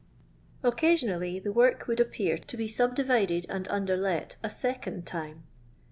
Occasionally the work would ap pear to be subdivided and underlet a second time.